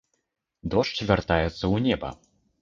Дождж вяртаецца ў неба.